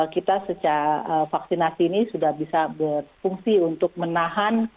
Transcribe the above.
kita vaksinasi ini sudah bisa berfungsi untuk menahan